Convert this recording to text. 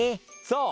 そう。